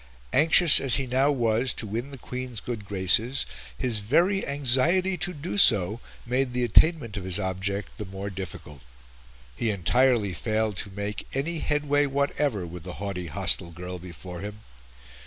Anxious as he now was to win the Queen's good graces, his very anxiety to do so made the attainment of his object the more difficult. He entirely failed to make any headway whatever with the haughty hostile girl before him.